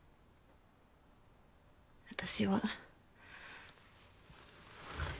私は。